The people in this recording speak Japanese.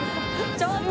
ちょっと！」